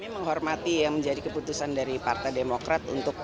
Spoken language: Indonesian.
untuk kemudian mencari kemampuan untuk mencari kemampuan untuk mencari kemampuan